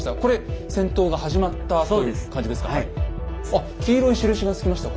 あっ黄色い印がつきました。